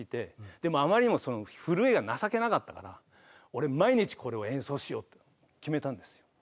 でもあまりにもその震えが情けなかったから俺毎日これを演奏しようって決めたんですよ。